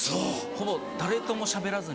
ほぼ誰ともしゃべらずに。